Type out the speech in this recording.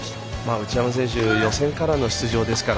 内山選手予選からの出場ですから。